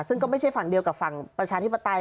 ซึ่งก็ไม่ใช่ฝั่งเดียวกับฝั่งประชาธิปไตย